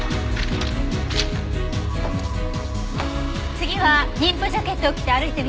次は妊婦ジャケットを着て歩いてみて。